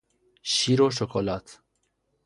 شیر و شکلات